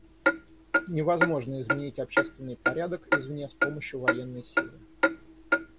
Невозможно изменить общественный порядок извне с помощью военной силы.